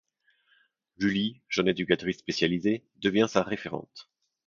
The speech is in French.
Julie, jeune éducatrice spécialisée, devient sa référente.